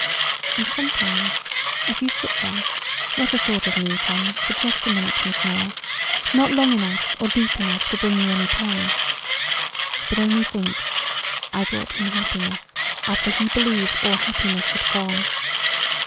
And sometimes as you sit there let a thought of me come for just a minute, Miss Noah not long enough nor deep enough to bring you any pain. But only think I brought him happiness after he believed all happiness had gone.